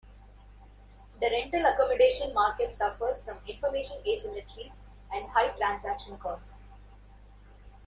The rental-accommodation market suffers from information asymmetries and high transaction costs.